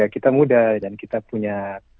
kita muda dan kita punya